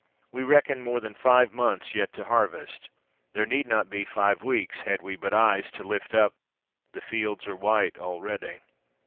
We reckon more than five months yet to harvest; there need not be five weeks ; had we but eyes to lift up, the fields are white already.